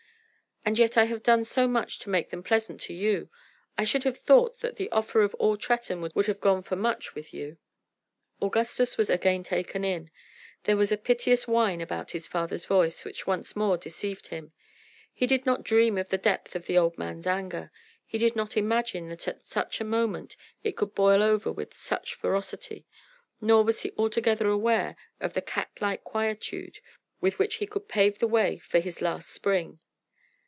"And yet I have done so much to make them pleasant to you! I should have thought that the offer of all Tretton would have gone for much with you." Augustus was again taken in. There was a piteous whine about his father's voice which once more deceived him. He did not dream of the depth of the old man's anger. He did not imagine that at such a moment it could boil over with such ferocity; nor was he altogether aware of the cat like quietude with which he could pave the way for his last spring.